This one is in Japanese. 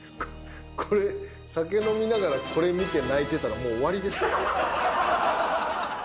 これ酒飲みながらこれ見て泣いてたらもう終わりですよ。